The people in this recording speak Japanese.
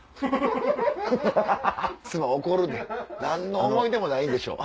妻怒るで何の思い出もないんでしょ？